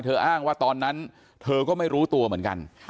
อ้างว่าตอนนั้นเธอก็ไม่รู้ตัวเหมือนกัน